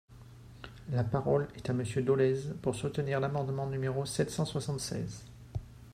La parole est à Monsieur Dolez, pour soutenir l’amendement numéro sept cent soixante-seize.